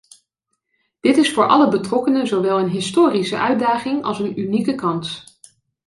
Dit is voor alle betrokkenen zowel een historische uitdaging als een unieke kans.